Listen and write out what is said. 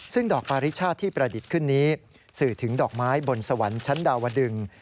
ซึ่งดอกปาริชาติที่ประดิษฐ์ขึ้นนี้สื่อถึงดอกไม้บนสวรรค์ชั้นดาวดึง